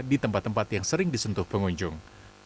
di tempat tempat yang sering disentuh pengunjung